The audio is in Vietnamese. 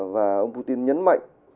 và ông putin nhấn mạnh